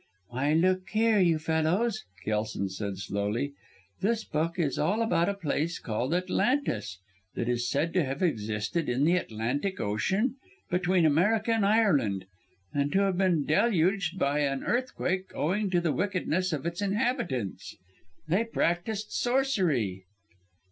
"Why, look here, you fellows!" Kelson said slowly. "This book is all about a place called Atlantis that is said to have existed in the Atlantic Ocean between America and Ireland, and to have been deluged by an earthquake owing to the wickedness of its inhabitants. They practised sorcery."